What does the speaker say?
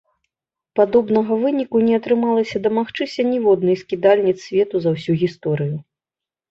Падобнага выніку не атрымалася дамагчыся ніводнай з кідальніц свету за ўсю гісторыю.